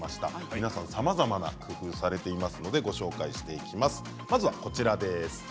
皆さんさまざまな工夫をされていらっしゃるのでご紹介します。